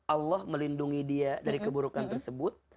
allah melindungi dia dari keburukan tersebut